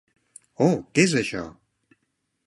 Oh, què és això?